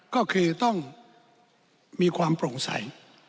ก็คือต้องมีความโปร่งใส